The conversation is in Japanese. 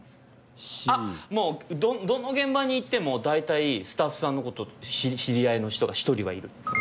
あっもうどの現場に行っても大体スタッフさんのこと知り合いの人が１人はいる。